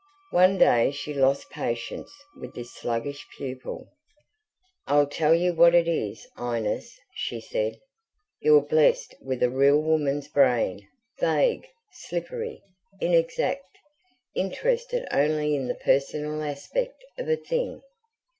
One day she lost patience with this sluggish pupil. "I'll tell you what it is, Inez," she said; "you're blessed with a real woman's brain: vague, slippery, inexact, interested only in the personal aspect of a thing.